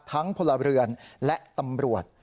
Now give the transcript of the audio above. พลเรือนและตำรวจ